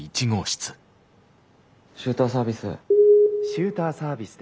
シューターサービス。